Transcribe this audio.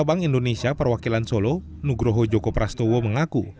bank indonesia perwakilan solo nugroho joko prastowo mengaku